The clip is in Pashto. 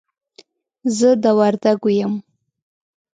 زه د وردګو يم.